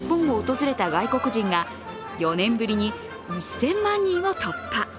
今年１月から６月までに日本を訪れた外国人が４年ぶりに１０００万人を突破。